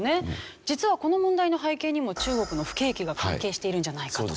実はこの問題の背景にも中国の不景気が関係しているんじゃないかと？